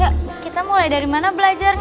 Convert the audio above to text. yuk kita mulai dari mana belajar